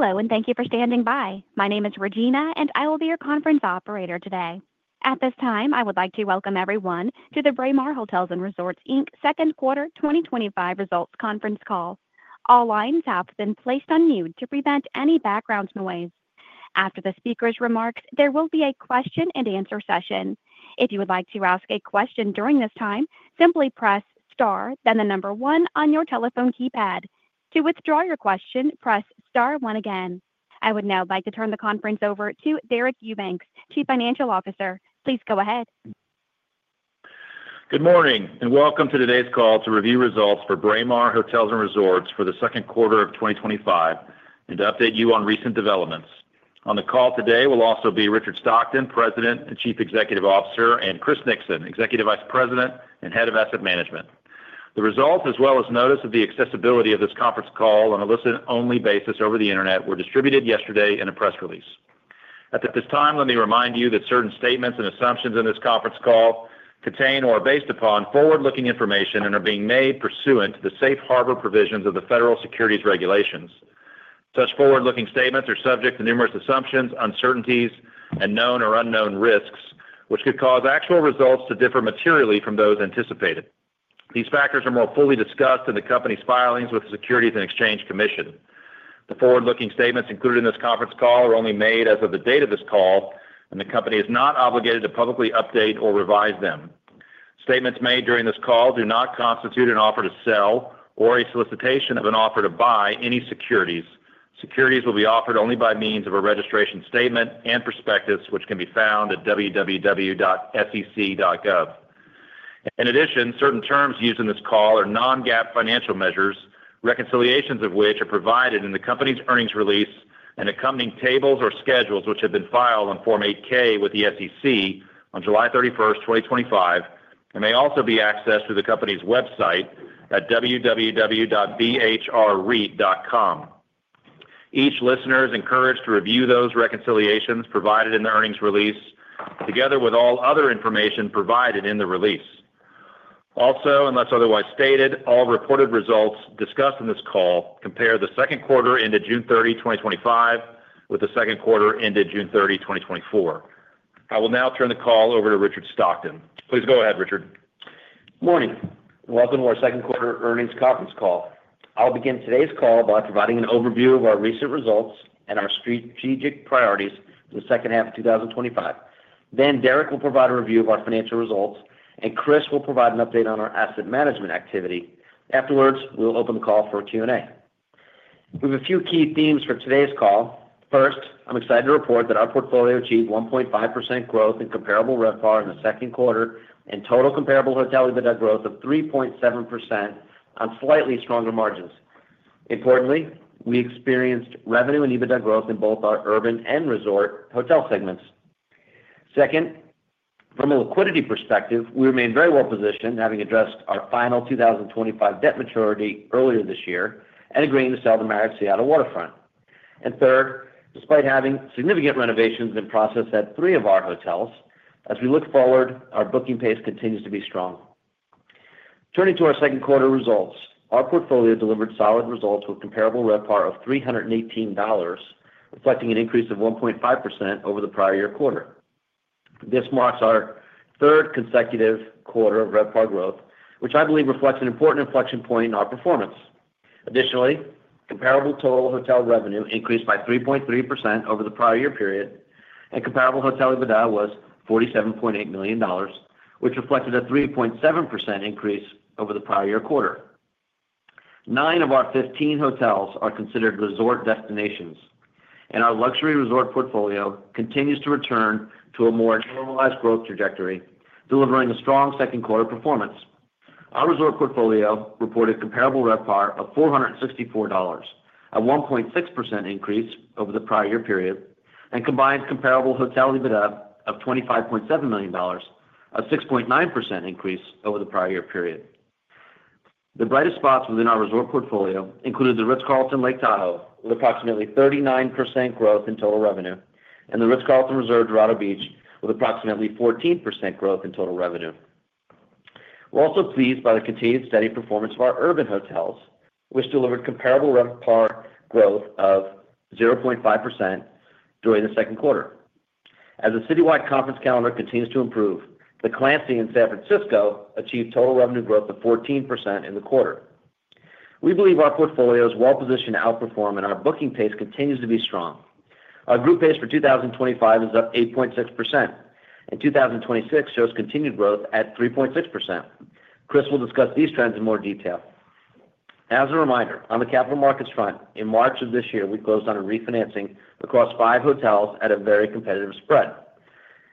Hello and thank you for standing by. My name is Regina and I will be your conference operator today. At this time, I would like to welcome everyone to the Braemar Hotels and Resorts Inc. Second quarter 2025 results conference call. All lines have been placed on mute to prevent any background noise. After the speakers remark, there will be a question and answer session. If you would like to ask a question during this time, simply press star, then the number one on your telephone keypad. To withdraw your question, press star one again. I would now like to turn the conference over to Deric Eubanks, Chief Financial Officer. Please go ahead. Good morning and welcome to today's call to review results for Braemar Hotels & Resorts for the second quarter of 2025 and to update you on recent developments. On the call today will also be Richard Stockton, President and Chief Executive Officer, and Chris Nixon, Executive Vice President and Head of Asset Management. The results, as well as notice of the accessibility of this conference call on a listen-only basis over the internet, were distributed yesterday in a press release. At this time, let me remind you that certain statements and assumptions in this conference call contain or are based upon forward-looking information and are being made pursuant to the Safe Harbor provisions of the Federal Securities Regulations. Such forward-looking statements are subject to numerous assumptions, uncertainties, and known or unknown risks, which could cause actual results to differ materially from those anticipated. These factors are more fully discussed in the company's filings with the Securities and Exchange Commission. The forward-looking statements included in this conference call are only made as of the date of this call, and the company is not obligated to publicly update or revise them. Statements made during this call do not constitute an offer to sell or a solicitation of an offer to buy any securities. Securities will be offered only by means of a registration statement and prospectus, which can be found at www.sec.gov. In addition, certain terms used in this call are non-GAAP financial measures, reconciliations of which are provided in the company's earnings release and accompanying tables or schedules, which have been filed on Form 8-K with the SEC on July 31st, 2025, and may also be accessed through the company's website at www.bhrreit.com. Each listener is encouraged to review those reconciliations provided in the earnings release, together with all other information provided in the release. Also, unless otherwise stated, all reported results discussed in this call compare the second quarter ended June 30, 2025 with the second quarter ended June 30, 2024. I will now turn the call over to Richard Stockton. Please go ahead, Richard. Morning. Welcome to our second quarter earnings conference call. I'll begin today's call by providing an overview of our recent results and our strategic priorities in the second half of 2025. Then Deric will provide a review of our financial results, and Chris will provide an update on our asset management activity. Afterwards, we'll open the call for Q&A. We have a few key themes for today's call. First, I'm excited to report that our portfolio achieved 1.5% growth in comparable RevPAR in the second quarter and total comparable hotel EBITDA growth of 3.7% on slightly stronger margins. Importantly, we experienced revenue and EBITDA growth in both our urban and resort hotel segments. Second, from a liquidity perspective, we remain very well positioned, having addressed our final 2025 debt maturity earlier this year and agreeing to sell the Marriott Seattle Waterfront. Third, despite having significant renovations in process at three of our hotels, as we look forward, our booking pace continues to be strong. Turning to our second quarter results, our portfolio delivered solid results with a comparable RevPAR of $318, reflecting an increase of 1.5% over the prior year quarter. This marks our third consecutive quarter of RevPAR growth, which I believe reflects an important inflection point in our performance. Additionally, comparable total hotel revenue increased by 3.3% over the prior year period, and comparable hotel EBITDA was $47.8 million, which reflected a 3.7% increase over the prior year quarter. Nine of our 15 hotels are considered resort destinations, and our luxury resort portfolio continues to return to a more normalized growth trajectory, delivering a strong second quarter performance. Our resort portfolio reported a comparable RevPAR of $464, a 1.6% increase over the prior year period, and combined comparable hotel EBITDA of $25.7 million, a 6.9% increase over the prior year period. The brightest spots within our resort portfolio included the Ritz-Carlton Lake Tahoe with approximately 39% growth in total revenue, and the Ritz-Carlton Dorado Beach with approximately 14% growth in total revenue. We're also pleased by the continued steady performance of our urban hotels, which delivered comparable RevPAR growth of 0.5% during the second quarter. As the citywide conference calendar continues to improve, the Clancy in San Francisco achieved total revenue growth of 14% in the quarter. We believe our portfolio is well positioned to outperform, and our booking pace continues to be strong. Our group pace for 2025 is up 8.6%, and 2026 shows continued growth at 3.6%. Chris will discuss these trends in more detail. As a reminder, on the capital markets front, in March of this year, we closed on a refinancing across five hotels at a very competitive spread.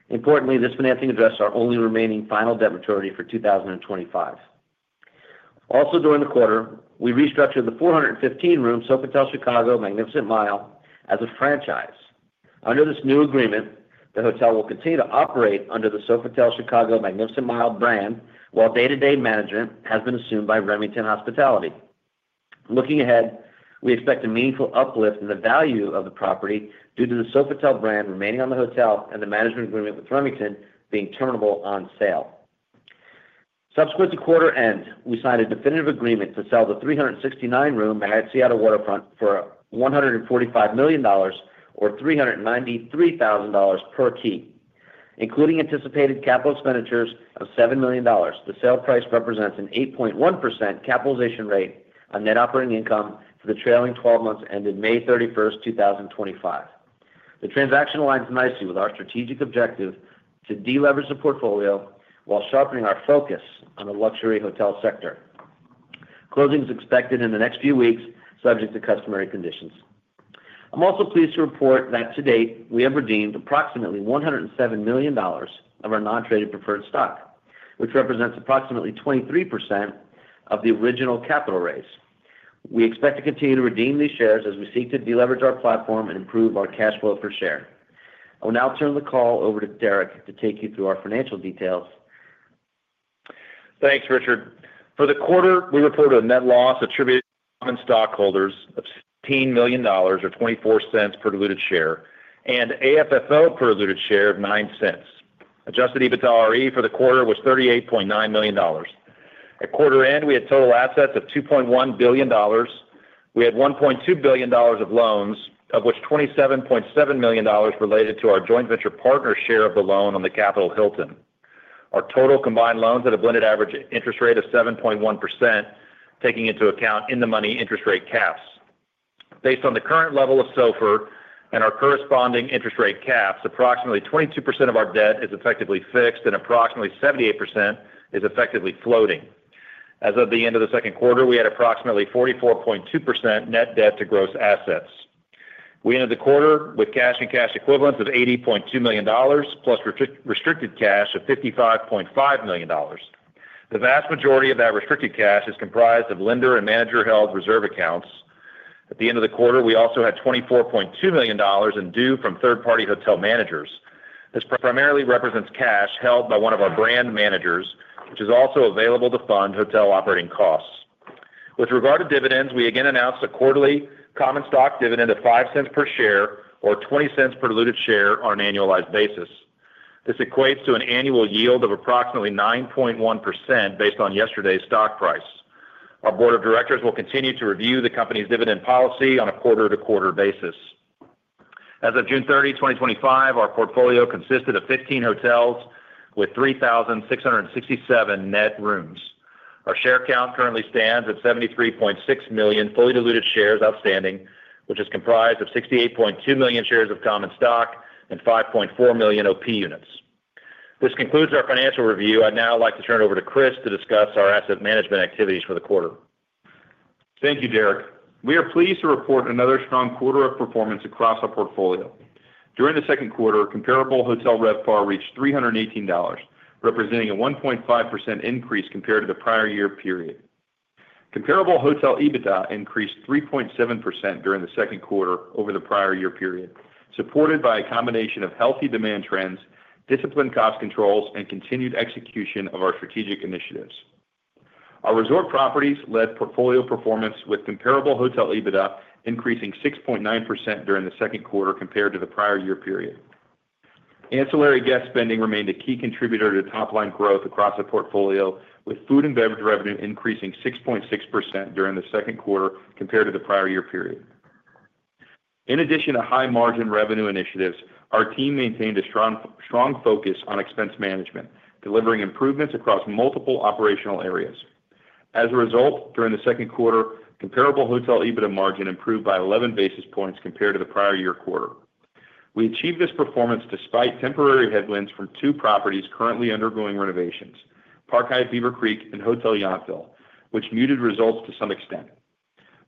Importantly, this financing addressed our only remaining final debt maturity for 2025. Also during the quarter, we restructured the 415-room Sofitel Chicago Magnificent Mile as a franchise. Under this new agreement, the hotel will continue to operate under the Sofitel Chicago Magnificent Mile brand while day-to-day management has been assumed by Remington Hospitality. Looking ahead, we expect a meaningful uplift in the value of the property due to the Sofitel brand remaining on the hotel and the management agreement with Remington being terminable on sale. Subsequent to quarter end, we signed a definitive agreement to sell the 369-room Marriott Seattle Waterfront for $145 million or $393,000 per key, including anticipated capital expenditures of $7 million. The sale price represents an 8.1% capitalization rate on net operating income for the trailing 12 months ended May 31st, 2025. The transaction aligns nicely with our strategic objective to deleverage the portfolio while sharpening our focus on the luxury hotel sector. Closing is expected in the next few weeks, subject to customary conditions. I'm also pleased to report that to date we have redeemed approximately $107 million of our non-traded preferred stock, which represents approximately 23% of the original capital raise. We expect to continue to redeem these shares as we seek to deleverage our platform and improve our cash flow per share. I will now turn the call over to Deric to take you through our financial details. Thanks, Richard. For the quarter, we reported a net loss attributed to non-stockholders of $18 million or $0.24 per diluted share and AFFO per diluted share of $0.09. Adjusted EBITDAre for the quarter was $38.9 million. At quarter end, we had total assets of $2.1 billion. We had $1.2 billion of loans, of which $27.7 million related to our joint venture partner share of the loan on the Capitol Hilton. Our total combined loans had a blended average interest rate of 7.1%, taking into account in-the-money interest rate caps. Based on the current level of SOFR and our corresponding interest rate caps, approximately 22% of our debt is effectively fixed and approximately 78% is effectively floating. As of the end of the second quarter, we had approximately 44.2% net debt to gross assets. We ended the quarter with cash and cash equivalents of $80.2 million plus restricted cash of $55.5 million. The vast majority of that restricted cash is comprised of lender and manager-held reserve accounts. At the end of the quarter, we also had $24.2 million in due from third-party hotel managers. This primarily represents cash held by one of our brand managers, which is also available to fund hotel operating costs. With regard to dividends, we again announced a quarterly common stock dividend of $0.05 per share or $0.20 per diluted share on an annualized basis. This equates to an annual yield of approximately 9.1% based on yesterday's stock price. Our Board of Directors will continue to review the company's dividend policy on a quarter-to-quarter basis. As of June 30, 2025, our portfolio consisted of 15 hotels with 3,667 net rooms. Our share count currently stands at 73.6 million fully diluted shares outstanding, which is comprised of 68.2 million shares of common stock and 5.4 million OP units. This concludes our financial review. I'd now like to turn it over to Chris to discuss our asset management activities for the quarter. Thank you, Deric. We are pleased to report another strong quarter of performance across our portfolio. During the second quarter, comparable hotel RevPAR reached $318, representing a 1.5% increase compared to the prior year period. Comparable hotel EBITDA increased 3.7% during the second quarter over the prior year period, supported by a combination of healthy demand trends, disciplined cost controls, and continued execution of our strategic initiatives. Our resort properties led portfolio performance with comparable hotel EBITDA increasing 6.9% during the second quarter compared to the prior year period. Ancillary guest spending remained a key contributor to top-line growth across the portfolio, with food and beverage revenue increasing 6.6% during the second quarter compared to the prior year period. In addition to high margin revenue initiatives, our team maintained a strong focus on expense management, delivering improvements across multiple operational areas. As a result, during the second quarter, comparable hotel EBITDA margin improved by 11 basis points compared to the prior year quarter. We achieved this performance despite temporary headwinds from two properties currently undergoing renovations: Park Hyatt Beaver Creek and Hotel Yountville, which muted results to some extent.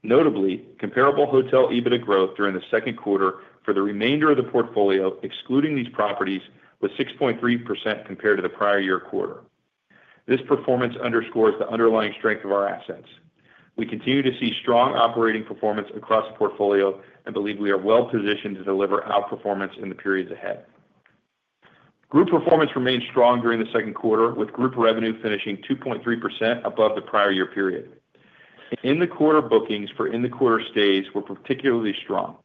Notably, comparable hotel EBITDA growth during the second quarter for the remainder of the portfolio, excluding these properties, was 6.3% compared to the prior year quarter. This performance underscores the underlying strength of our assets. We continue to see strong operating performance across the portfolio and believe we are well positioned to deliver outperformance in the periods ahead. Group performance remained strong during the second quarter, with group revenue finishing 2.3% above the prior year period. In-the-quarter bookings for in-the-quarter stays were particularly strong.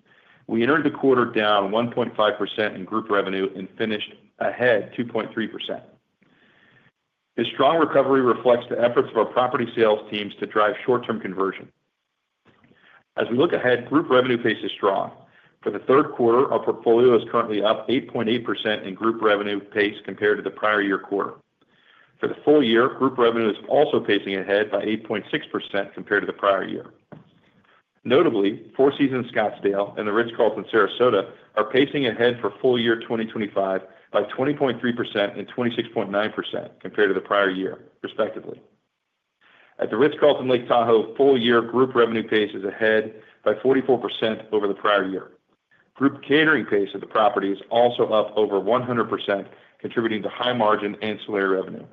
We entered the quarter down 1.5% in group revenue and finished ahead 2.3%. This strong recovery reflects the efforts of our property sales teams to drive short-term conversion. As we look ahead, group revenue pace is strong. For the third quarter, our portfolio is currently up 8.8% in group revenue pace compared to the prior year quarter. For the full year, group revenue is also pacing ahead by 8.6% compared to the prior year. Notably, Four Seasons Scottsdale and the Ritz-Carlton Sarasota are pacing ahead for full year 2025 by 20.3% and 26.9% compared to the prior year, respectively. At the Ritz-Carlton Lake Tahoe, full year group revenue pace is ahead by 44% over the prior year. Group catering pace at the property is also up over 100%, contributing to high margin ancillary revenue.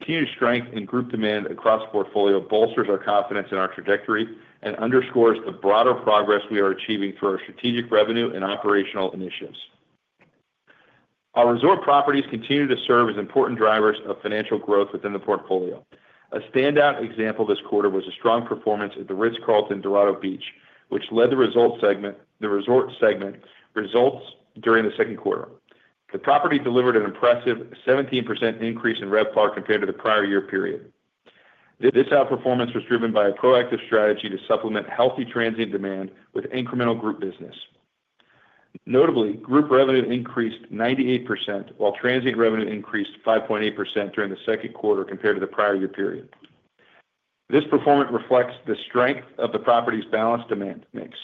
Continued strength in group demand across the portfolio bolsters our confidence in our trajectory and underscores the broader progress we are achieving through our strategic revenue and operational initiatives. Our resort properties continue to serve as important drivers of financial growth within the portfolio. A standout example this quarter was a strong performance at the Ritz-Carlton Dorado Beach, which led the resort segment results during the second quarter. The property delivered an impressive 17% increase in RevPAR compared to the prior year period. This outperformance was driven by a proactive strategy to supplement healthy transient demand with incremental group business. Notably, group revenue increased 98% while transient revenue increased 5.8% during the second quarter compared to the prior year period. This performance reflects the strength of the property's balanced demand mix.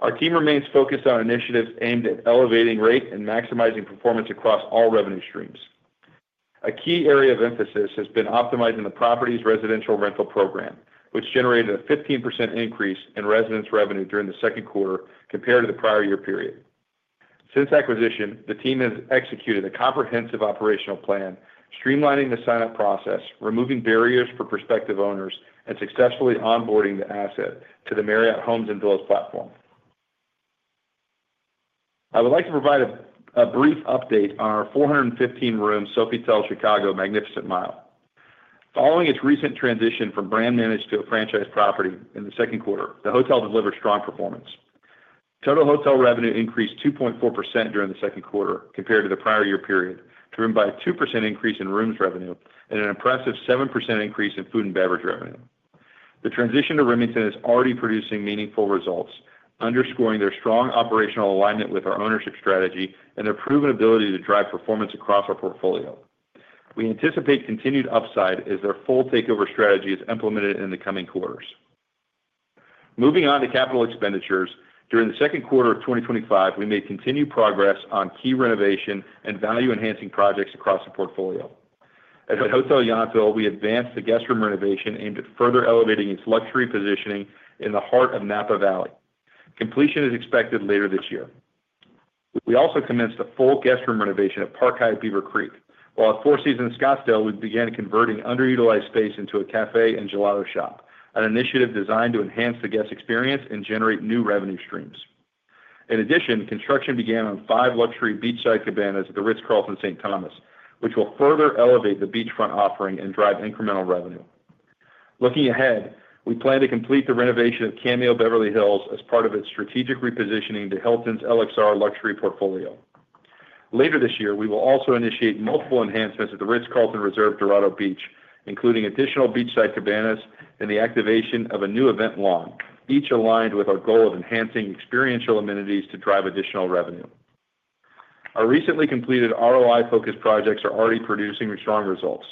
Our team remains focused on initiatives aimed at elevating rate and maximizing performance across all revenue streams. A key area of emphasis has been optimizing the property's residential rental program, which generated a 15% increase in residents' revenue during the second quarter compared to the prior year period. Since acquisition, the team has executed a comprehensive operational plan, streamlining the sign-up process, removing barriers for prospective owners, and successfully onboarding the asset to the Marriott Homes and Villas platform. I would like to provide a brief update on our 415-room Sofitel Chicago Magnificent Mile. Following its recent transition from brand managed to a franchise property in the second quarter, the hotel delivered strong performance. Total hotel revenue increased 2.4% during the second quarter compared to the prior year period, driven by a 2% increase in rooms revenue and an impressive 7% increase in food and beverage revenue. The transition to Remington is already producing meaningful results, underscoring their strong operational alignment with our ownership strategy and their proven ability to drive performance across our portfolio. We anticipate continued upside as their full takeover strategy is implemented in the coming quarters. Moving on to capital expenditures, during the second quarter of 2025, we made continued progress on key renovation and value-enhancing projects across the portfolio. At Hotel Yountville, we advanced the guest room renovation aimed at further elevating its luxury positioning in the heart of Napa Valley. Completion is expected later this year. We also commenced the full guest room renovation at Park Hyatt Beaver Creek. While at Four Seasons Scottsdale, we began converting underutilized space into a café and gelato shop, an initiative designed to enhance the guest experience and generate new revenue streams. In addition, construction began on five luxury beachside cabanas at the Ritz-Carlton St. Thomas, which will further elevate the beachfront offering and drive incremental revenue. Looking ahead, we plan to complete the renovation of Cameo Beverly Hills as part of its strategic repositioning to Hilton's LXR luxury portfolio. Later this year, we will also initiate multiple enhancements at the Ritz-Carlton Reserve Dorado Beach, including additional beachside cabanas and the activation of a new event lawn, each aligned with our goal of enhancing experiential amenities to drive additional revenue. Our recently completed ROI-focused projects are already producing strong results.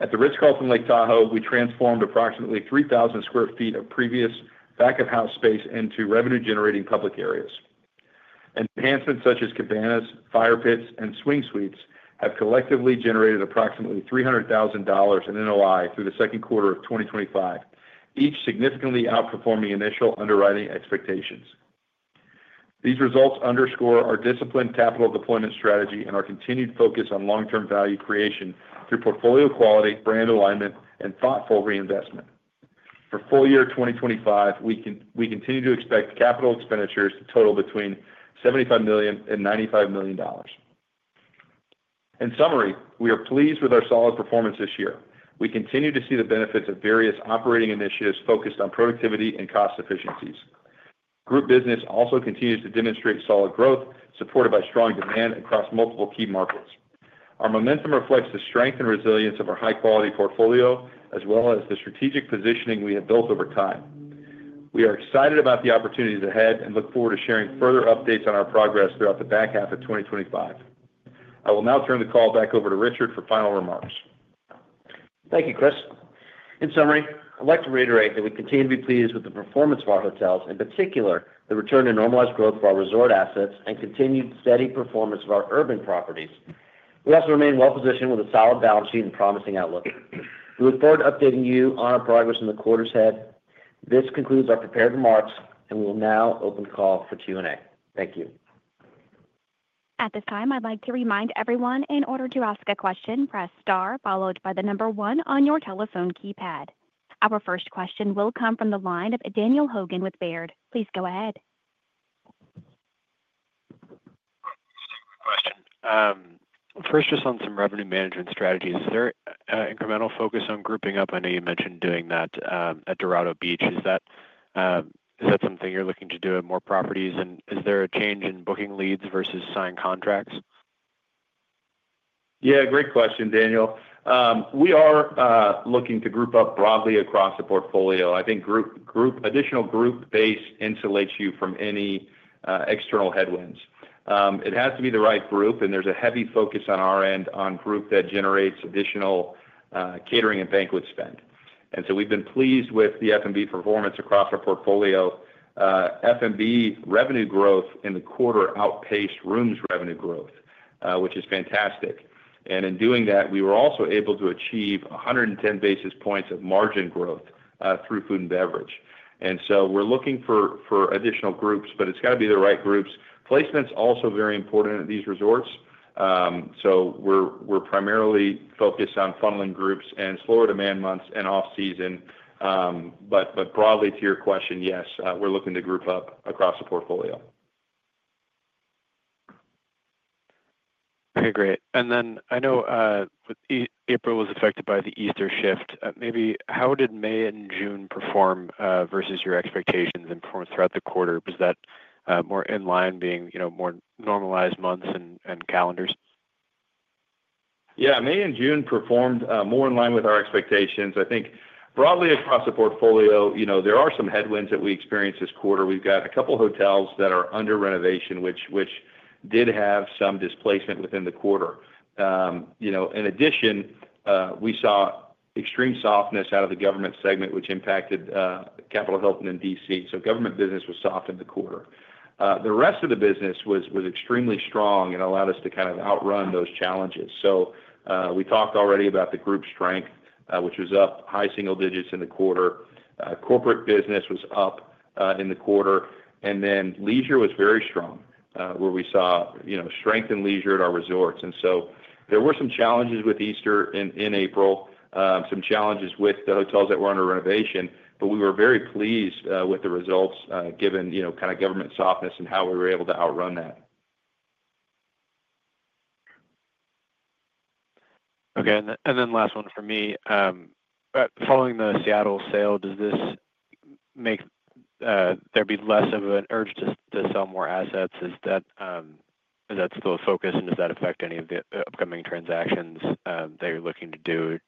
At the Ritz-Carlton Lake Tahoe, we transformed approximately 3,000 sq ft of previous back-of-house space into revenue-generating public areas. Enhancements such as cabanas, fire pits, and swing suites have collectively generated approximately $300,000 in NOI through the second quarter of 2025, each significantly outperforming initial underwriting expectations. These results underscore our disciplined capital deployment strategy and our continued focus on long-term value creation through portfolio quality, brand alignment, and thoughtful reinvestment. For full year 2025, we continue to expect capital expenditures to total between $75 million and $95 million. In summary, we are pleased with our solid performance this year. We continue to see the benefits of various operating initiatives focused on productivity and cost efficiencies. Group business also continues to demonstrate solid growth, supported by strong demand across multiple key markets. Our momentum reflects the strength and resilience of our high-quality portfolio, as well as the strategic positioning we have built over time. We are excited about the opportunities ahead and look forward to sharing further updates on our progress throughout the back half of 2025. I will now turn the call back over to Richard for final remarks. Thank you, Chris. In summary, I'd like to reiterate that we continue to be pleased with the performance of our hotels, in particular the return to normalized growth of our resort assets and continued steady performance of our urban properties. We also remain well positioned with a solid balance sheet and promising outlook. We look forward to updating you on our progress in the quarters ahead. This concludes our prepared remarks, and we will now open the call for Q&A. Thank you. At this time, I'd like to remind everyone, in order to ask a question, press star followed by the number one on your telephone keypad. Our first question will come from the line of Daniel Hogan with Baird. Please go ahead. Just a quick question. First, just on some revenue management strategies, is there an incremental focus on grouping up? I know you mentioned doing that at Dorado Beach. Is that something you're looking to do at more properties, and is there a change in booking leads versus signed contracts? Yeah, great question, Daniel. We are looking to group up broadly across the portfolio. I think group, additional group base insulates you from any external headwinds. It has to be the right group, and there's a heavy focus on our end on group that generates additional catering and banquet spend. We've been pleased with the F&B performance across our portfolio. F&B revenue growth in the quarter outpaced rooms revenue growth, which is fantastic. In doing that, we were also able to achieve 110 basis points of margin growth through food and beverage. We're looking for additional groups, but it's got to be the right groups. Placement's also very important at these resorts. We're primarily focused on funneling groups in slower demand months and off-season. Broadly to your question, yes, we're looking to group up across the portfolio. Okay, great. I know April was affected by the Easter shift. Maybe how did May and June perform versus your expectations and performance throughout the quarter? Was that more in line, being, you know, more normalized months and calendars? Yeah, May and June performed more in line with our expectations. I think broadly across the portfolio, there are some headwinds that we experienced this quarter. We've got a couple of hotels that are under renovation, which did have some displacement within the quarter. In addition, we saw extreme softness out of the government segment, which impacted Capitol Hilton in D.C. Government business was soft in the quarter. The rest of the business was extremely strong and allowed us to kind of outrun those challenges. We talked already about the group strength, which was up high single digits in the quarter. Corporate business was up in the quarter, and then leisure was very strong, where we saw strength in leisure at our resorts. There were some challenges with Easter in April, some challenges with the hotels that were under renovation, but we were very pleased with the results given government softness and how we were able to outrun that. Okay. Last one for me. Following the Seattle sale, does this make there be less of an urge to sell more assets? Is that still a focus, and does that affect any of the upcoming transactions that you're looking to do?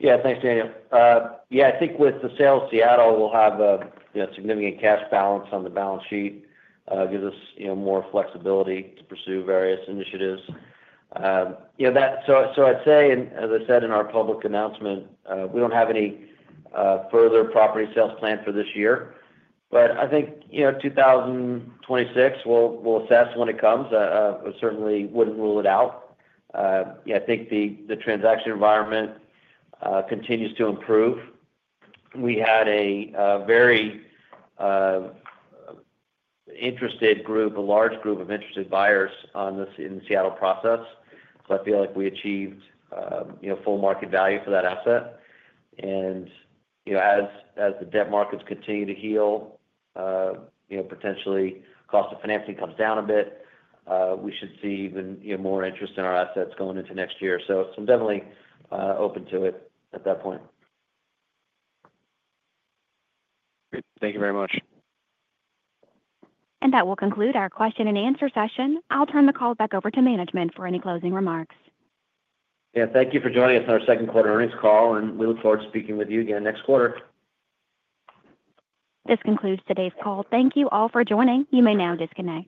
Yeah, thanks, Daniel. I think with the sale of Seattle, we'll have a significant cash balance on the balance sheet. It gives us more flexibility to pursue various initiatives. I'd say, and as I said in our public announcement, we don't have any further property sales planned for this year. I think 2026, we'll assess when it comes. I certainly wouldn't rule it out. I think the transaction environment continues to improve. We had a very interested group, a large group of interested buyers in the Seattle process. I feel like we achieved full market value for that asset. As the debt markets continue to heal, potentially cost of financing comes down a bit, we should see even more interest in our assets going into next year. I'm definitely open to it at that point. Thank you very much. That will conclude our question and answer session. I'll turn the call back over to management for any closing remarks. Yeah, thank you for joining us on our second quarter earnings call, and we look forward to speaking with you again next quarter. This concludes today's call. Thank you all for joining. You may now disconnect.